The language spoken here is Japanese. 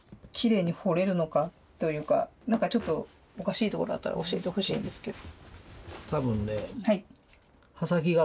何かちょっとおかしいところあったら教えてほしいんですけど。